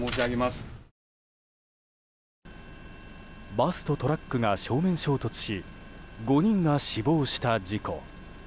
バスとトラックが正面衝突し５人が死亡した事故。